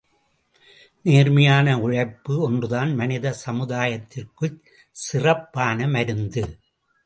நேர்மையான உழைப்பு ஒன்றுதான் மனித சமுதாயத்திற்குச் சிறப்பான மருந்து.